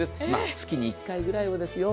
月に１回くらいはですよ